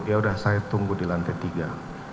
ya udah saya tunggu di lantai tiga